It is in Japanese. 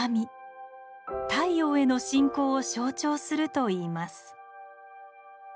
太陽への信仰を象徴するといいます。